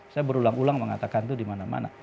saya berulang ulang mengatakan itu dimana mana